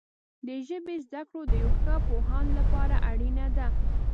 د ژبې زده کړه د یو ښه پوهاند لپاره اړینه ده.